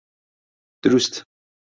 دروست!